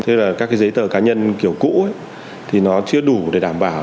thế là các cái giấy tờ cá nhân kiểu cũ thì nó chưa đủ để đảm bảo